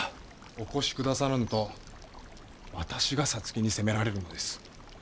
お越し下さらぬと私が皐月に責められるのです。